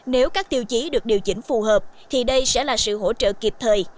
nếu các tiêu chí được điều chỉnh phù hợp thì đây sẽ là sự hỗ trợ kịp thời